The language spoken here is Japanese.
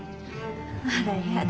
・あらやだ。